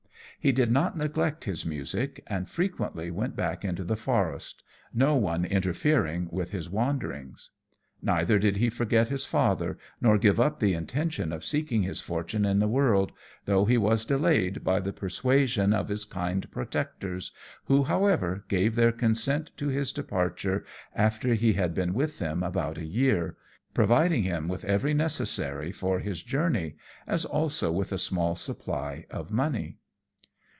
He did not neglect his music, and frequently went back into the forest no one interfering with his wanderings. Neither did he forget his father, nor give up the intention of seeking his fortune in the world, though he was delayed by the persuasion of his kind protectors, who, however, gave their consent to his departure after he had been with them about a year, providing him with every necessary for his journey, as also with a small supply of money.